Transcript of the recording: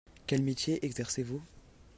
Quel métier exercez-vous ?